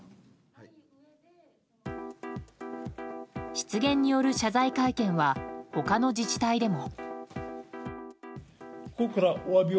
失言による謝罪会見は他の自治体でも。